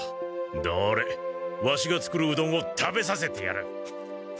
どれワシが作るうどんを食べさせてやる。